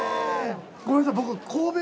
ごめんなさい僕。